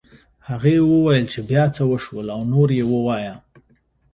هغې وویل چې بيا څه وشول او نور یې ووایه